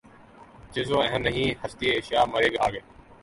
جز وہم نہیں ہستیٔ اشیا مرے آگے